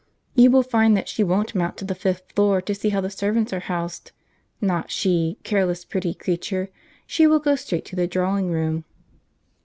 You will find that she won't mount to the fifth floor to see how the servants are housed, not she, careless, pretty creature; she will go straight to the drawing room."